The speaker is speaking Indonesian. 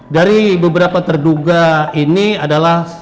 dari beberapa terduga ini adalah